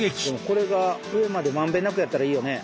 これが上まで満遍なくやったらいいよね。